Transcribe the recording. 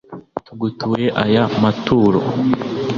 tugutuye aya maturo